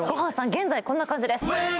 現在こんな感じです